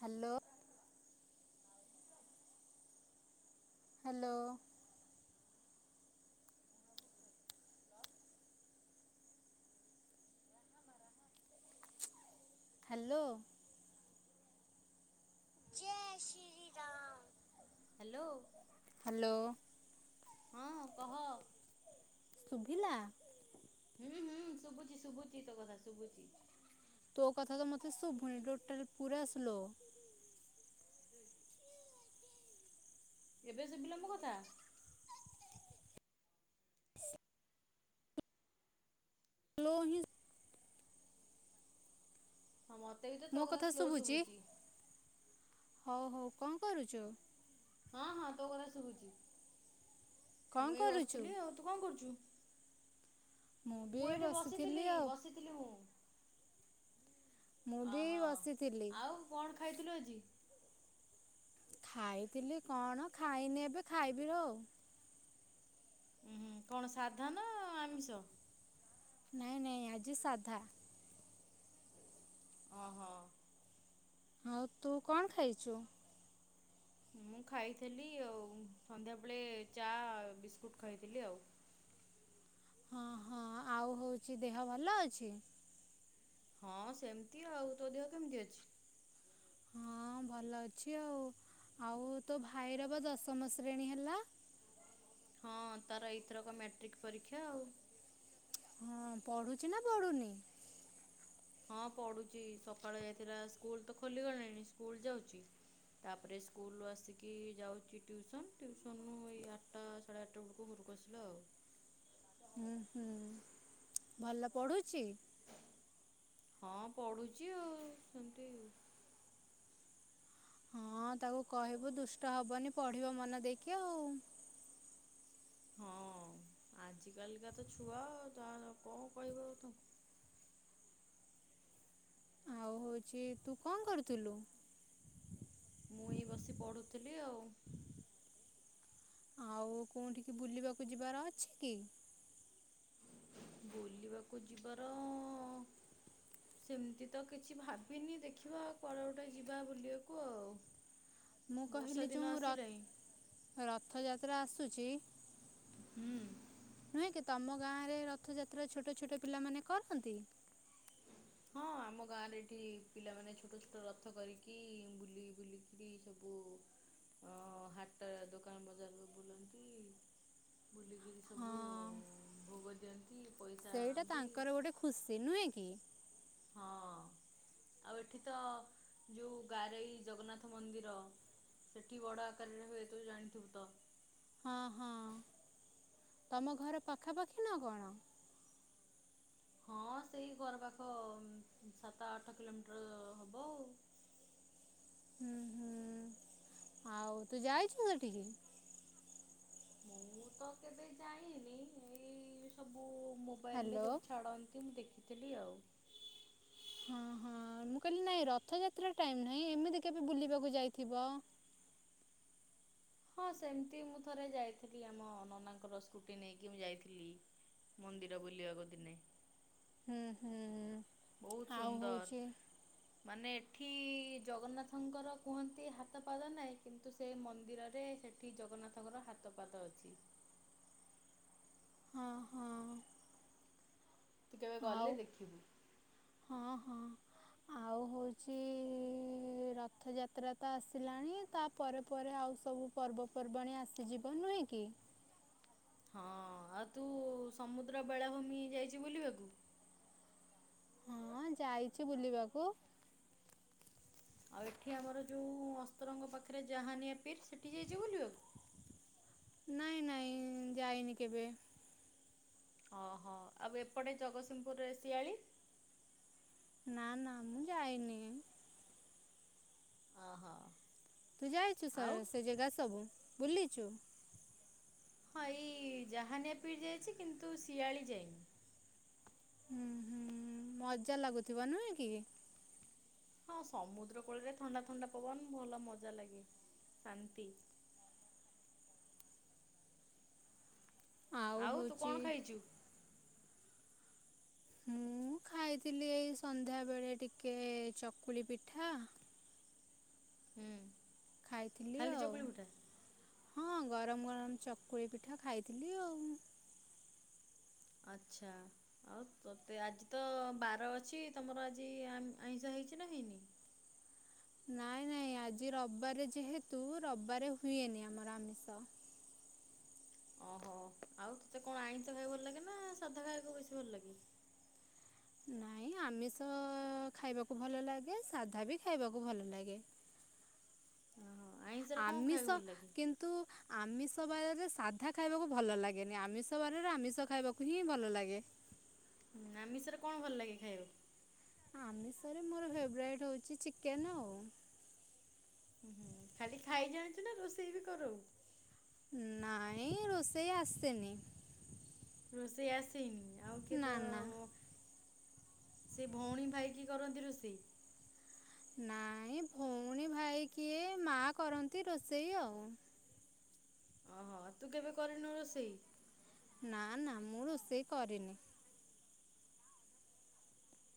Hello. Hello. Hello. ଜୟ Shri Ram hello. Hello. ହଁ କହ? [inaudible] ଶୁଭିଲା। ହୁଁ ହୁଁ ଶୁବୁଚି ଶୁବୁଚି ତୋ କଥା ଶୁବୁଚି। ତୋ କଥା ତ ମୋତେ ଶୁଭୁନି ଟୋଟାଲ ପୁରା ସ୍ଲୋ। ଏବେ ସୁବିଲା ମୋ କଥା। ସ୍ଲୋ ହିଁ ହଁ ମତେ ବି ତ ମୋ ତୋ କଥା ସ୍ଲୋ ଶୁଭୁଛି ଶୁବୁଚି। ହଉ ହଉ [inaudible] କଣ କରୁଚୁ। ହଁ ହଁ ତୋ କଥା ଶୁବୁଚି। [inaudible] କଣ ମୁଁ ଏଇ କରୁଛୁ ବସିଥିଲି ଆଉ ତୁ କଣ କରୁଚୁ। ବି ମୁଁ ଏଇ ଏଇଠି ବସିଥିଲି ଆଉ ବସିଥିଲି ମୁଁ? ମୁଁ ବି ଅହଁ ବସିଥିଲି। ଆଉ କଣ ଖାଇଥିଲୁ ଆଜି। ଖାଇଥିଲି। କଣ ଖାଇନି ଏବେ ଖାଇବି ଆଉ। ଉଁ ହୁଁ କଣ ସାଧା ନା ଆମିଷ। ନାଇଁ ନାଇଁ ଆଜି ସାଧା। ଅ ହ। ହଉ ତୁ କଣ ଖାଇଚୁ? ମୁଁ ଖାଇଥିଲି ଆଉ ସନ୍ଧ୍ୟାବେେଳେ ଚା ବିସ୍କୁଟ ଖାଇଥିଲି ଆଉ। ହଁ ହଁ ଆଉ ହଉଛି ଦେହ ଭଲ ଅଛି। ହଁ ସେମିତି ଆଉ, ତୋ ଦେହ କେମିତି ଅଛି? ହଁ ଭଲ ଅଛି ଆଉ। ଆଉ ତୋ ଭାଇର ବା ଦଶମ ଶ୍ରେଣୀ ହେଲା। ହଁ ତାର ଏଇଥରକ ମାଟ୍ରିକ ପରୀକ୍ଷା ଆଉ। ହଁ ପଢୁଛି ନା ପଢୁନି? ହଁ ପଢୁଛି, ସକାଳେ ଯାଇଥିଲା ସ୍କୁଲତ ଖୋଲିଗଲାଣି ସ୍କୁଲ ଯାଉଚି। ତାପରେ ସ୍କୁଲରୁ ଆସିକି ଯାଉଛି ଟ୍ୟୁସନ। ଟ୍ୟୁସନୁରୁ ଏଇ ଆଠଟା ସାଢ଼େ ଆଠଟା ବେଳକୁ ଘରକୁ ଆସିଲା ଆଉ। ହୁଁ ହୁଁ ଭଲ ପଢୁଚି? ହଁ ପଢୁଛି ଆଉ ସେମତି। [inaudible] ହଁ ତାକୁ କହିବୁ ଦୁଷ୍ଟ ହବନି, ପଢିବ ମନ ଦେଇକି ଆଉ। ହଁ ଆଜି କାଲିକା ତ ଛୁଆ ତାହେଲେ କଣ କହିବ ଆଉ ତାଙ୍କୁ? [inaudible] ଆଉ ହଉଛି ତୁ କଣ କରୁଥିଲୁ? [inaudible] ମୁଁ ଏଇ ବସି ପଢୁଥିଲି ଆଉ। ଆଉ କୋଉଠିକି ବୁଲିବାକୁ ଯିବାର ଅଛି କି? ବୁଲିବାକୁ ଯିବାର [inaudible] ସେମିତି ତ କିଛି ଭାବିନି। ଦେଖିବା କୁଆଡେ ଗୋଟେ ଯିବା ବୁଲିବାକୁ ଆଉ। ମୁଁ ବର୍ଷା କହିଲି ଦିନ ଯୋଉ ର ଆସିଲାଣି [inaudible] ରଥ ଯା ତ୍ରା ଆସୁଚି? ହୁଁ। ନୁହେଁ କି ତମ ଗାଁରେ ରଥଯାତ୍ରା ଛୋଟ ଛୋଟ ପିଲାମାନେ କରନ୍ତି। ହଁ ଆମ ଗାଁରେ ଏଠି ପିଲାମାନେ ଛୋଟ ଛୋଟ ରଥ କରିକି ବୁଲି ବୁଲିକିରି ସବୁ ଅ ହାଟ ଦୋକାନ ବଜାର ବୁଲନ୍ତି। ବୁଲିକିରି ସବୁ ହଁ ଭୋଗ ଦିଅନ୍ତି ପଇସା ସେଇଟା ଆଣନ୍ତି। ତାଙ୍କର ଗୋଟେ ଖୁସି ନୁହେଁ କି? [inaudible] ହଁ ଆଉ ଏଠି ତ ଯୋଉ ଗାରେଇ ଜଗନ୍ନାଥ ମନ୍ଦିର ସେଠି ବଡ ଆକାରରେ ହୁଏ। ତୁ ତ ଜାଣିଥିବୁ ତ? ହଁ ହଁ [inaudible] ତମ ଘର ପାଖାପାଖି ନା କଣ? ହଁ, ସେଇ ଘର ପାଖ ସାତ ଆଠ କିଲୋମିଟର ହବ ଆଉ। [inaudible] ହୁଁ ହୁଁ ଆଉ ତୁ ଯାଇଛୁ, ସେଠିକି? ମୁଁ ତ କେବେ ଯାଇନି ଏଇ ସବୁ ମୋବାଇଲ ରେ ହ୍ୟାଲୋ ସବୁ ଛାଡ଼ନ୍ତି ମୁଁ ଦେଖ ତେଲି ଆଉ। ହଁ ହଁ ମୁଁ କହିଲି ନାଇଁ ରଥଯାତ୍ରା ଟାଇମ ନାହିଁ, ଏମିତି କେବେ ବୁଲିବାକୁ ଯାଇଥିବ। ହଁ ସେମିତି ମୁଁ ଥରେ ଯାଇଥିଲି ଆମ ନନାଙ୍କର ସ୍କୁଟି ନେଇକି ମୁଁ ଯାଇଥିଲି ମନ୍ଦିର ବୁଲିବାକୁ ଦିନେ। ହୁଁ ହୁଁ ହୁଁ। ବହୁତ ସୁନ୍ଦର। ମାନେ ଏଠି ଜଗନ୍ନାଥଙ୍କର କୁହନ୍ତି ହାତ ପାଦ ନାହିଁ କିନ୍ତୁ ସେ ମନ୍ଦିରରେ ସେଠି ଜଗନ୍ନାଥଙ୍କର ହାତ ପାଦ ଅଛି। ହଁ ହଁ। ତୁ କେବେ ଆଉ ଗଲେ ଦେଖିବୁ? ହଁ ହଁ ଆଉ ହଉଛି ରଥଯାତ୍ରା ତ ଆସିଲାଣି ତାପରେ ପରେ ଆଉ ସବୁ ପର୍ବପର୍ବାଣିୀ ଆସିଯିବ ନୁହେଁ କି? ହଁ ଆଉ ତୁ ସମୁଦ୍ର ବେଳାଭୂମି ଯାଇଚି ବୁଲିବାକୁ? ହଁ ଯାଇଛି ବୁଲିବାକୁ। ଆଉ ଏଠି ଆମର ଯୋଉ ଅସ୍ତ୍ରଙ୍କ ପାଖରେ ଜହାନିଆ ପିର ସେଠି ଯାଇଛି ବୁଲିବାକୁ। ନାଇଁ ନାଇଁ ଯାଇନି କେବେ। ଓହୋ ଆଉ ଏପଟେ ଜଗତସିଂହପୁରରେ ଶିଆଳି? ନା ନା ମୁଁ ଯାଇନି। ଓ ହୋ। ତୁ ଯାଇଛୁ ସ ସେ ଜାଗା ସବୁ। ବୁଲିଚୁ? ହଁ ଏଇ ଜହାନିଆ ପିର ଯାଇଛି କିନ୍ତୁ ଶିଆଳି ଯାଇନି। ହୁଁ ହୁଁ ମଜା ଲାଗୁଥିବ ନୁହଁ କି? ହଁ ସମୁଦ୍ର କୂଳରେ ଥଣ୍ଡା ଥଣ୍ଡା ପବନ ଭଲ ମଜା ଲାଗେ ଶାନ୍ତି। ଆଉ ତୁ କଣ ଖାଇଛୁ? ମୁଁ ଖାଇଥିଲି ଏଇ ସନ୍ଧ୍ୟା ବେଳେ ଟିକେ ଚକୁଳି ପିଠା ହୁଁ। ଖାଇଥିଲି ଖାଲି ଆଉ। ଚକୁଳି ପିଠା ହଁ ଗରମ ଗରମ ଚକୁଳି ପିଠା ଖାଇଥିଲି ଆଉ। ଆଚଛା ଆଉ ତତେ ଆଜି ତ ବାର ଅଛି ତମର ଆଜି ଆମ ଆଇଁଷ ହେଇଛି ନା ହେଇନି? ନାଇଁ ନାଇଁ ଆଜି ରବିବାରେ ଯେହେତୁ ରବିବାରେ ହୁଏନି ଆମର ଆମିଷ। ଓହୋ ଆଉ ତତେ କଣ ଆଇଁଷ ଖାଇବା ଭଲ ଲାଗେ ନା ସାଧା ଖାଇବାକୁ ବେଶୀ ଭଲ ଲାଗେ? ନାଇଁ ଆମିଷ ଖାଇବାକୁ ଭଲ ଲାଗେ ସାଧା ବି ଖାଇବାକୁ ଭଲ ଲାଗେ। ଓ ହୋ। ଆମିଷ କିନ୍ତୁ ଆମିଷ ବ ସାଧା ଖାଇବାକୁ ଭଲ ଲାଗେନି ଆମିଷ ବାରରେ ଆମିଷ ଖାଇବାକୁ ହିଁ ଭଲ ଲାଗେ। ହୁଁ ଆମିଷରେ କଣ ଭଲ ଲାଗେ ଖାଇବାକୁ? ଆମିଷରେ ମୋର ଫେବରାଇଟ୍ ହଉଛି ଚିକେନ ଆଉ। ହୁଁ ଖାଲି ଖାଇ ଜାଣିଛୁ ନା ରୋଷେଇ ବି କରୋଉ। ନାଇଁ ରୋଷେଇ ଆସେନି। ରୋଷେଇ ଆସିନି? ଆଉ କି ନା ତ ନା ସେ ଭଉଣୀ ଭାଇ କିି କରନ୍ତି ରୋଷେଇ? ନାଇଁ ଭଉଣୀ ଭାଇ କିଏ ମା କରନ୍ତି ରୋଷେଇ ଆଉ। ଓହୋ ତୁ କେବେ କରିନୁ ରୋଷେଇ? ନା ନା ମୁଁ ରୋଷେଇ କରିନି।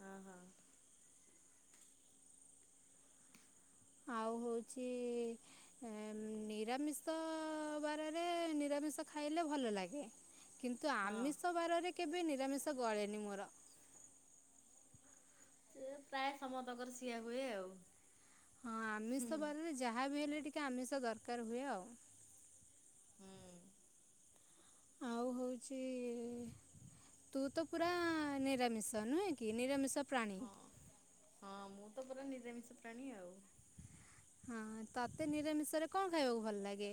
ହ ହୋ। ଆଉ ହଉଛି ନିରାମିଷ ବାରରେ ନିରାମିଷ ଖାଇଲେ ଭଲ ଲାଗେ। କିନ୍ତୁ ହଁ। ଆମିଷ ବାରରେ କେବେ ନିରାମିଷ ଗଳେନି ମୋର। ସେ ପ୍ରାୟ ସମସ୍ତଙ୍କର ସିଆ ହୁଏ ଆଉ। ହଁ ଆମିଷ ବାରରେ ଯାହାବି ହେଲେ। ଟିକେ ଆମିଷ ଦରକାର ହୁଏ ଆଉ। ହୁଁ ଆଉ ହଉଛି ତୁ ତ ପୁରା ନିରାମିଷ ନୁହେଁ କି ନିରାମିଷ। ପ୍ରାଣୀ। ହଁ। ହଁ ମୁଁ ତ ପରା ନିରାମିଷ ପ୍ରାଣୀ ଆଉ। ହଁ ତତେ ନିରାମିଷ ରେ କଣ ଖାଇବାକୁ ଭଲ ଲାଗେ?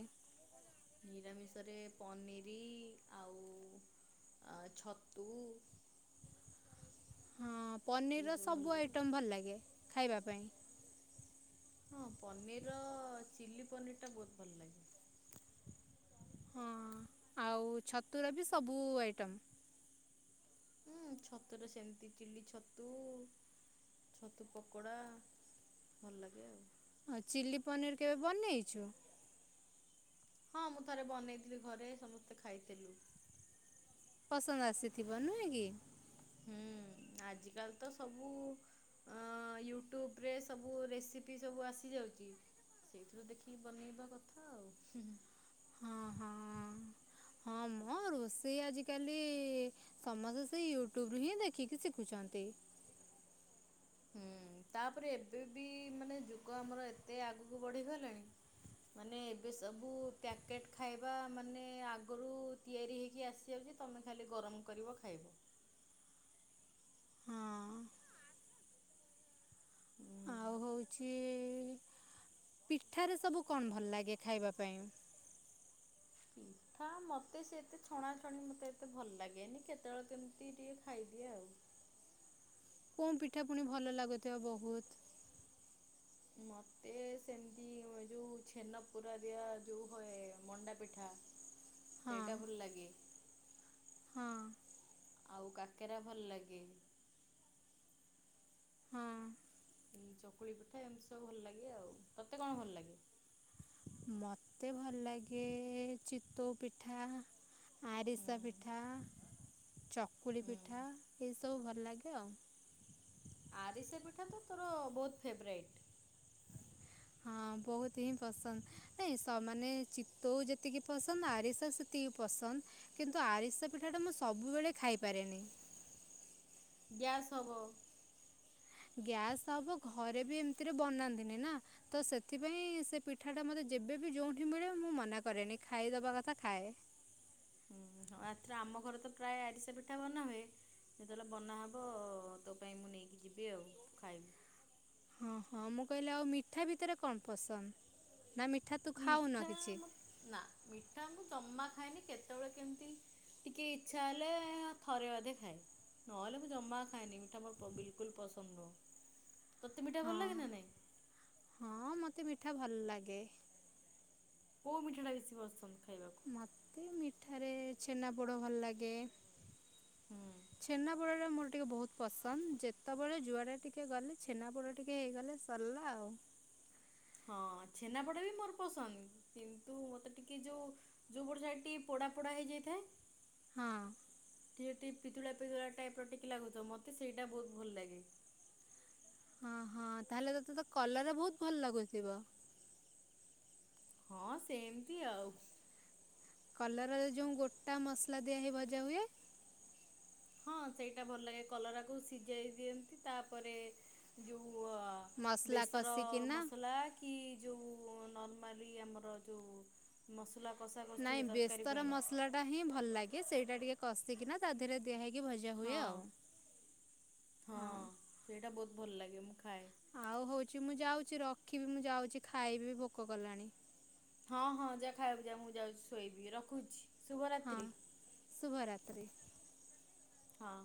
ନିରାମିଷରେ ପନିର ଆଉ ଛତୁ ହଁ। ପନିରର ଏଇସବୁ ଭଲ ସବୁ ଲାଗେ। ଆଇଟମ୍ ଭଲ ଲାଗେ। ଖାଇବା ପାଇଁ‌। ହଁ ପନିରର ଚିଲି ପନିର ଟା ବହୁତ ଭଲ ଲାଗେ। ହଁ ଆଉ ଛତୁର ବି ସବୁ ଆଇଟମ୍ ହୁଁ ଛତୁରେ ସେମିତି ଚିଲି ଛତୁ, ଛତୁ ପକୋଡା ଭଲ ଲାଗେ ଆଉ। ଆଉ ଚିଲି ପନିର କେବେ ବନେଇଛୁ? ହଁ ମୁଁ ଥରେ ବନେଇଥିଲି ଘରେ ସମସ୍ତେ ଖାଇଥିଲୁ। ପସନ୍ଦ ଆସିଥିବ ନୁହେଁ କି? ହୁଁ ଆଜିକାଲି ତ ସବୁ ୟୁଟ୍ୟୁବ ରେ ସବୁ ରେସିପି ସବୁ ଆସିଯାଉଛି ସେଇଥିରୁ ଦେଖିକି ବନେଇବା କଥା ଆଉ। ହଁ ହଁ ହଁ ମୋ ରୋଷେଇ ଆଜିକାଲି ସମସ୍ତେ ସେ ୟୁଟ୍ୟୁବରୁୁ ହିଁ ଦେଖିକି ଶିଖୁଛନ୍ତି। ହୁଁ ତାପରେ ଏବେ ବି ମାନେ ଯୁଗ ଆମର ଏତେ ଆଗକୁ ବଢିଗଲାଣି ମାନେ ଏବେ ସବୁ ପ୍ୟାକେଟ ଖାଇବା ମାନେ ଆଗରୁ ତିଆରି ହେଇକି ଆସିଯାଉଛି ତମେ ଖାଲି ଗରମ କରିବ ଖାଇବ। ହଁ ହୁଁ [inaudible] ଛି ପିଠାରେ ସବୁ କଣ ଭଲ ଲାଗେ ଖାଇବା ପାଇଁ? ପିଠା ମତେ ସେ ଏତେ ଛଣାଛଣି ମତେ ଏତେ ଭଲ ଲାଗେନି କେତେବେଳେ କେମିତି ଟିକେ ଖାଇଦିଏ ଆଉ। କଉ ପିଠା ପୁଣି ଭଲ ଲାଗୁଥିବ ବହୁତ? ମତେ ସେମିତି ଯୋଉ ଛେନା ପୁରା ଦିଆ ଯୋଉ ହୁଏ ମଣ୍ଡା ପିଠା ହଁ ସେଇଟା ଭଲ ଲାଗେ। ହଁ ଆଉ କା କାକେରା ଭଲ ଲାଗେ। ହଁ। ଉ ଚକୁଳି ପିଠା ଏମିତି ସବୁ ଭଲ ଲାଗେ ଆଉ ତତେ କଣ ଭଲ ଲାଗେ [unintelligible] ମୋତେ ଭଲ ଲାଗେ ଚିତୋଉ ପିଠା, ଆରିସା ପିଠା, ହୁଁ ଚକୁଳି ହୁଁ ପିଠା ଏସବୁ ସବୁ ଭଲ ଲାଗେ ଆଉ। ଆରିସ ପିଠା ତ ତୋର ବହୁତ ଫେବୋରାଇଟ। ହଁ ବହୁତ ହିଁ ପସନ୍ଦ ନ ସେମାନେ ଚିତୋଉ ଯେତିକି ପସନ୍ଦ ଆରିସ ସେତିକି ପସନ୍ଦ। କିନ୍ତୁ, ଆରିସା ପିଠାଟା ମୁଁ ସବୁବେଳେ ଖାଇପାରେନି। ଗ୍ୟାସ୍ ହବ। ଗ୍ୟାସ୍ ହବ ଘରେ ବି ଏମିତିରେ ବନାନ୍ତିନି ନା ତ ସେଥିପାଇଁ ସେ ପିଠାଟା ମୋତେ ଯେବେବ ଯେଉଁଠି ମିଳେ ମୁଁ ମନା କରେନି ଖାଇଦବା କଥା ଖାଏ। ଏଥରେ ଆମ ଘରେ ତ ପ୍ରାୟ ଆରିସ ପିଠା ବନା ହୁଏ ଯେତେବେଳେ ବନାହବ ତୋ ପାଇଁ ମୁଁ ନେଇକି ଯିବି ଆଉ ଖାଇବୁ। ହଁ ହଁ ମୁଁ କହିଲି ଆଉ ମିଠା ଭିତରେ କଣ ପସନ୍ଦ? ନା ମିଠା ତୁ ଖାଉନ ମିଠା କିଛି ନା ମିଠା ମୁଁ ଜମା ଖାଏନି। କେତେବେଳେ କେମିତି ଟିକେ ଇଚ୍ଛା ହେଲେ ଥରେ ଅଧେ ଖାଏ। ନହେଲେ ମୁଁ ଜମା ଖାଏନି। ମିଠା ମୋର ବିଲକୁଲ ପସନ୍ଦ ନୁହଁ। ତତେ ମିଠା ହଁ ଭଲ ଲାଗେ ନା ନାଇଁ? ହଁ ମୋତେ ମିଠା ଭଲ ଲାଗେ। କୋଉ ମିଠା ଟା ବେଶୀ ପସନ୍ଦ? ଖାଇବାକୁ ମତେ ମି ଏଠାରେ ଛେନାପୋଡ଼ ଭଲ ଲାଗେ। ହୁଁ ଛେନା ପୋଡ଼ଟା ମୋର ଟିକେ ବହୁତ ପସନ୍ଦ ଯେତେବେଳେ ଯୁଆଡେ ଟିକେ ଗଲେ ଛେନାପୋଡ଼ ଟିକେ ହେଇଗଲେ ସରିଲା ଆଉ ହଁ ଛେନାପୋଡା ବି ମୋରପସନ୍ଦ କିନ୍ତୁ ମତେ ଟିକେ ଯୋଉ ଯୋଉ ପଟସାଇଟି ଟିକେ ପୋଡା ପୋଡା ହେଇଯାଇଥାଏ। ହଁ ଟିକେ ଟିକେ ପିତୁଳା ପିତୁଳା ଟାଇପର ଟିକେ ଲାଗୁଥିବ ମତେ ସେଇଟା ବହୁତ ଭଲ ଲାଗେ ହଁ ହଁ ତାହେଲେ ତତେ ତ କଲର ବହୁତ ଭଲ ଲାଗୁଥିବ। ହଁ ସେମିତି ଆଉ କଲରାରେ ଯୋଉ ଗୋଟାମସଲା ଦିଆ ହେଇ ଭଜା ହୁଏ। ହଁ ସେଇଟା ଭଲଲାଗେ କଲରାକୁ ସିଝେଇ ଦିଅନ୍ତି ତାପରେ ଯୋଉ କୁହ ମସଲା ବେସର କଷିକିନା ମସଲାକି ଯୋଉ ନରମାଲି ଆମର ଯୋଉ ମସଲା କଷା କଷି ନାଇଁ ହୁଏ ତରକାରୀ ବେସର ପାଇଁ ମସଲାଟା ହିଁ ଭଲଲାଗେ ସେଇଟା ଟିକେ କସିକିନା ତାଧିରେ ଦିଆ ହେଇକି ଟିକିଏ ଭଜା ହୁଏ ହଁ ହଁ ଆଉ ସେଇଟା ଭଲ ଲାଗେ ମୁଁଖାଏ ଆଉ ହଉଛି ମୁଁ ଯାଉଛି ରଖିବି ମୁଁ ଯାଉଛି ଖାଇବି ଭୋକ କଲାଣି ହଁ ହଁ ଯାହା ଖାଇବାକୁ ଯା ମୁଁ ଯାଉଛି ଶୋଇବି ରଖୁଛି। ହଁ ଶୁଭରାତ୍ରି ଶୁଭ ରାତ୍ରି ହଁ।